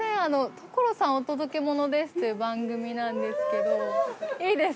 『所さんお届けモノです！』という番組なんですけどいいですか？